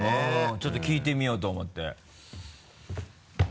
ちょっと聞いてみようと思って。